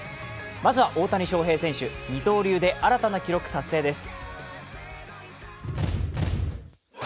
まずは大谷翔平選手、二刀流で新たな記録達成です。